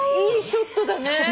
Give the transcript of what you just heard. いいショットだね。